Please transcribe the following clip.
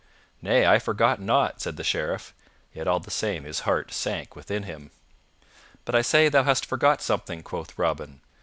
"Nay, I forgot nought," said the Sheriff; yet all the same his heart sank within him. "But I say thou hast forgot something," quoth Robin.